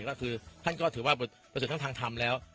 แล้วก็คือท่านก็ถือว่าประสุทธิ์ต้องที่ทำแล้ว